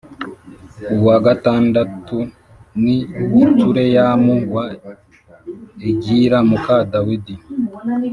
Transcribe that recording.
uwa gatandatu ni Itureyamu wa Egila muka Dawidi.